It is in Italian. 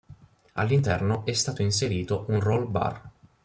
All'interno è stato inserito un roll-bar.